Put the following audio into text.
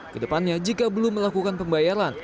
kedepannya jika belum melakukan pembayaran